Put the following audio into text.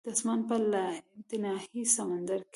د اسمان په لایتناهي سمندر کې